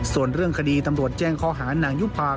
ส่วนเรื่องคดีตำรวจแจ้งข้อหานางยุภา